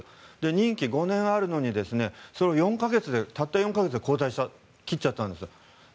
任期５年あるのにそれをたった４か月で切っちゃったんですよ。